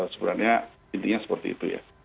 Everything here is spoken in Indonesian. sebenarnya intinya seperti itu ya